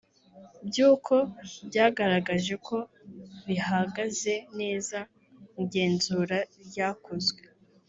by’uko byagaragaje ko bihagaze neza mu igenzura ryakozwe